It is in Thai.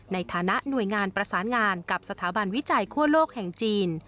ในฐานะหน่วยงานประสานงานกับสถาบันวิจัยคั่วโลกแห่งจีน